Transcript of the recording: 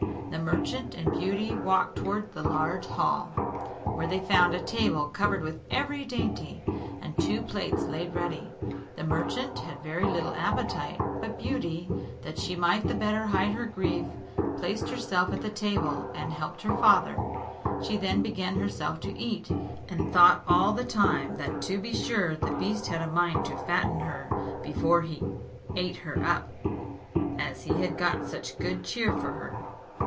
The merchant and Beauty walked towards the large hall, where they found a table covered with every dainty, and two plates laid ready. The merchant had very little appetite; but Beauty, that she might the better hide her grief, placed herself at the table, and helped her father; she then began herself to eat, and thought all the time that to be sure the beast had a mind to fatten her before he eat her up, as he had got such good cheer for her.